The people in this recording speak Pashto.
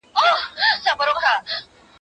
کښتي وان ویل مُلا صرفي لا څه دي